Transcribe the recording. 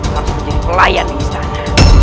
kamu bisa menjadi pelayan istanya